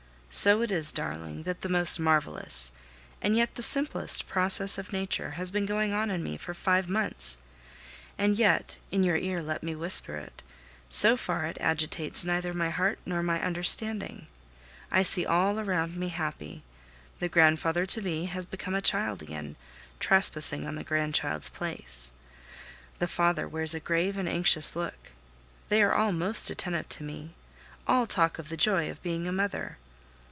So it is, darling, that the most marvelous, and yet the simplest, process of nature has been going on in me for five months; and yet in your ear let me whisper it so far it agitates neither my heart nor my understanding. I see all around me happy; the grandfather to be has become a child again, trespassing on the grandchild's place; the father wears a grave and anxious look; they are all most attentive to me, all talk of the joy of being a mother.